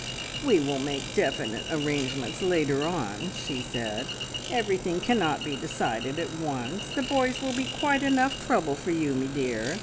"We will make definite arrangements later on," she said. "Everything cannot be decided at once. The boys will be quite enough trouble for you, me dear!